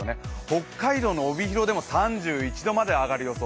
北海道帯広でも３１度まで上がる予想。